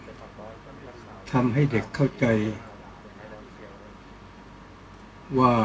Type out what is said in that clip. ก็ต้องทำอย่างที่บอกว่าช่องคุณวิชากำลังทำอยู่นั่นนะครับ